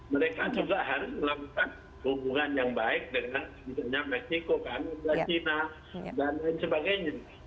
mereka juga harus melakukan hubungan yang baik dengan misalnya meksiko kan cina dan lain sebagainya